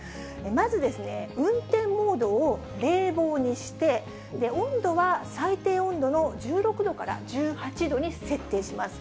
まず、運転モードを冷房にして、温度は最低温度の１６度から１８度に設定します。